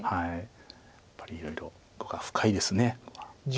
やっぱりいろいろ碁が深いです。